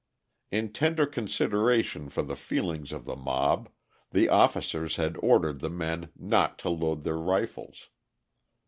In tender consideration for the feelings of the mob, the officers had ordered the men not to load their rifles.